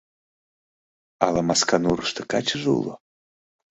Ала Масканурышто качыже уло?